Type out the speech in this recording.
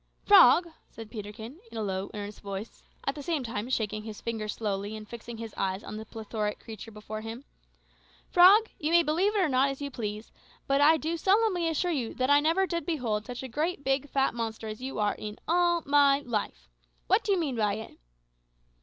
"Frog," said Peterkin, in a low, earnest voice, at the same time shaking his finger slowly and fixing his eyes on the plethoric creature before him "frog, you may believe it or not as you please, but I do solemnly assure you that I never did behold such a great, big, fat monster as you are in all my life! What do you mean by it?"